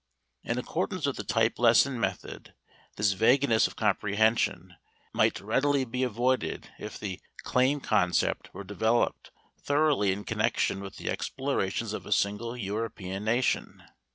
In accordance with the type lesson method this vagueness of comprehension might readily be avoided if the "claim" concept were developed thoroughly in connection with the explorations of a single European nation.